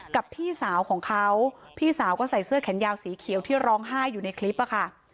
พี่สาวของเขาพี่สาวก็ใส่เสื้อแขนยาวสีเขียวที่ร้องไห้อยู่ในคลิปอะค่ะ